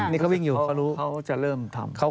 นี่เขาวิ่งอยู่เขารู้เขาจะเริ่มทำ